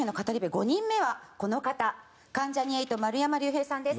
５人目はこの方関ジャニ∞丸山隆平さんです。